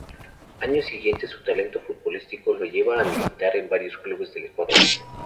Años siguientes su talento futbolístico lo lleva a militar en varios clubes del Ecuador.